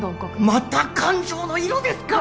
また感情の色ですか！